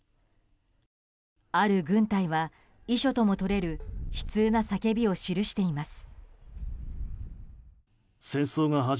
ある軍隊は、遺書とも取れる悲痛な叫びを記しています。